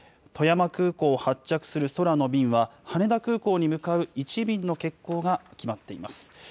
富山空港を発着する空の便は、羽田空港に向かう１便の欠航が決まっています。